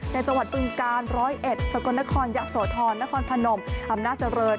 ในจังหวัดบึงกาล๑๐๑สกลนครยะโสธรนครพนมอำนาจเจริญ